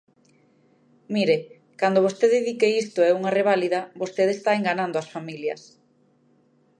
Mire, cando vostede di que isto é unha reválida vostede está enganando as familias.